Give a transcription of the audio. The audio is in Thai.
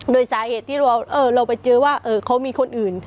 โดยสาเหตุที่เราเอ่อเราไปเจอว่าเออเขามีคนอื่น